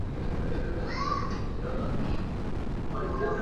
Watatari na Wabashkiris Kwa jumla kuna kadirio la kuwepo kwa milioni